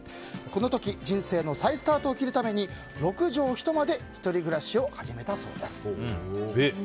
この時人生の再スタートを切るために６畳１間で１人暮らしを始めたそうです。